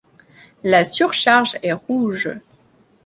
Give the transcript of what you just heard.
La surcharge est rouge.